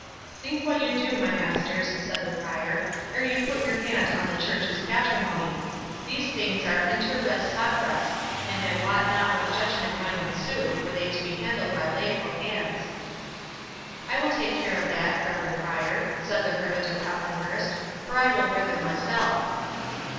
"Think what you do, my masters," said the Prior, "ere you put your hand on the Church's patrimony—These things are 'inter res sacras', and I wot not what judgment might ensue were they to be handled by laical hands." "I will take care of that, reverend Prior," said the Hermit of Copmanhurst; "for I will wear them myself."